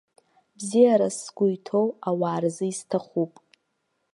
Бзиарас сгәы иҭоу, ауаа рзы исҭахуп.